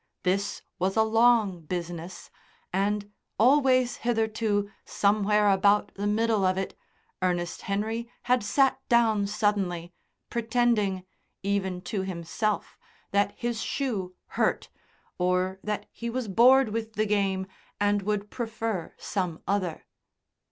This was a long business, and always hitherto somewhere about the middle of it Ernest Henry had sat down suddenly, pretending, even to himself, that his shoe hurt, or that he was bored with the game, and would prefer some other.